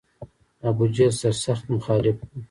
ابوجهل سر سخت مخالف و.